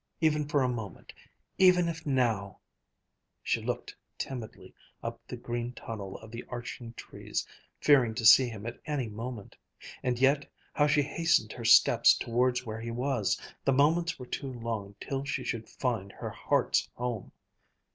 even for a moment ... even if now ... She looked timidly up the green tunnel of the arching trees, fearing to see him at any moment. And yet how she hastened her steps towards where he was! The moments were too long till she should find her heart's home!